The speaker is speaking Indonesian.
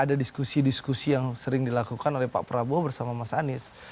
ada diskusi diskusi yang sering dilakukan oleh pak prabowo bersama mas anies